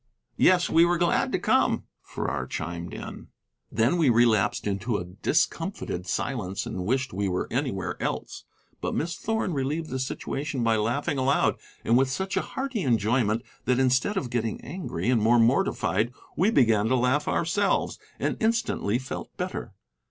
"Yes, we were glad to come," Farrar chimed in. Then we relapsed into a discomfited silence, and wished we were anywhere else. But Miss Thorn relieved the situation by laughing aloud, and with such a hearty enjoyment that instead of getting angry and more mortified we began to laugh ourselves, and instantly felt better.